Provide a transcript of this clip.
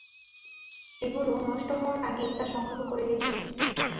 এগুলো নষ্ট হওয়ার আগেই তা সংগ্রহ করে রেখেছি।